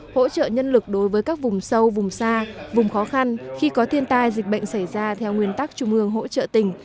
hỗ trợ nhân lực đối với các vùng sâu vùng xa vùng khó khăn khi có thiên tai dịch bệnh xảy ra theo nguyên tắc trung ương hỗ trợ tỉnh